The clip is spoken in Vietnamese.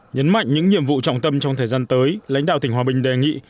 nhấn mạnh những nhiệm vụ trọng tâm trong thời gian tới lãnh đạo tỉnh hòa bình đề nghị